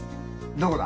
どこだ？